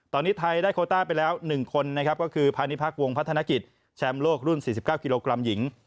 ตอนนี้ไทยได้โคต้าไปแล้ว๑คนนะครับก็คือพาณิพักษวงพัฒนกิจแชมป์โลกรุ่น๔๙กิโลกรัมหญิง